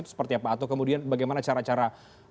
seperti apa atau kemudian bagaimana cara cara